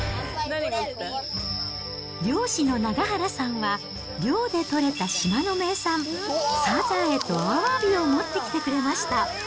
漁師の永原さんは、漁で取れた島の名産、サザエとアワビを持ってきてくれました。